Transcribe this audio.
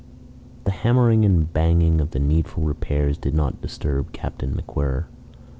The hammering and banging of the needful repairs did not disturb Captain MacWhirr.